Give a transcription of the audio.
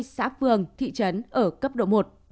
một trăm chín mươi xã phường thị trấn ở cấp độ một